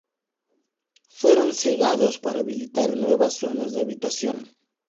Fueron cegados para habilitar nuevas zonas de habitación.